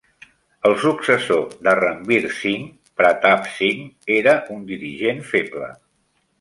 El successor de Ranbir Singh, Pratap Singh, era un dirigent feble.